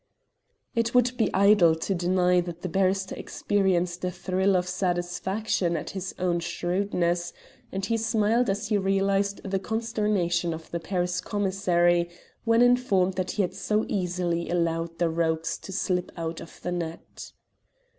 It would be idle to deny that the barrister experienced a thrill of satisfaction at his own shrewdness, and he smiled as he realized the consternation of the Paris commissary when informed that he had so easily allowed the rogues to slip out of the net.